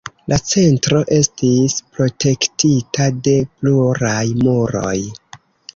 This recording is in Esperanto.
La centro estis protektita de pluraj muroj.